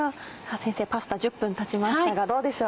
先生パスタ１０分たちましたがどうでしょう。